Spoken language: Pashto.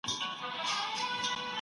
په دغه کوڅې کي ټول خلک په پښتو خبري کوي